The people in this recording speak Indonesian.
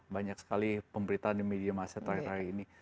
banyak sekali pemberitaan di media masyarakat hari hari ini